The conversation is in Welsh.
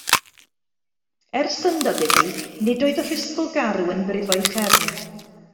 Er syndod iddi, nid oedd y rhisgl garw yn brifo'i chefn.